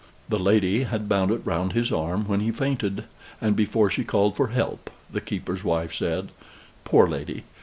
"The lady had bound it round his arm when he fainted, and before she called for help," the keeper's wife said. "Poor lady!